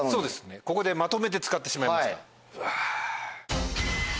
ここでまとめて使ってしまいました。